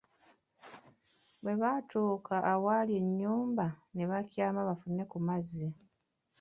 Bwe baatuuka awali ennyumba, ne bakyama bafune ku mazzi.